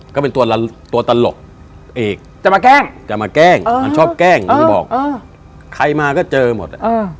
ก็เป็นตัวตลกเอกจะมาแกล้งมันชอบแกล้งมันบอกใครมาก็เจอหมด